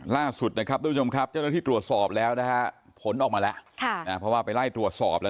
ล่าสุดนะครับทุกผู้ชมครับเจ้าหน้าที่ตรวจสอบแล้วนะคะผลออกมาแล้ว